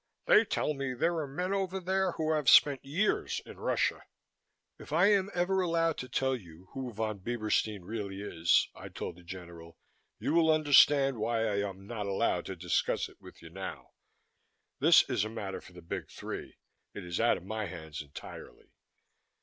They tell me there are men over there who have spent years in Russia." "If I am ever allowed to tell you who Von Bieberstein really is," I told the General, "you will understand why I am not allowed to discuss it with you now. This is a matter for the Big Three. It is out of my hands entirely."